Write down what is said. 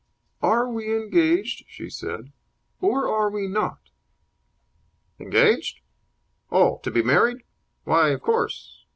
"Are we engaged," she said, "or are we not?" "Engaged? Oh, to be married? Why, of course.